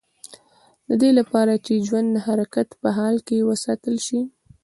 د دې لپاره چې ژوند د حرکت په حال کې وساتل شي.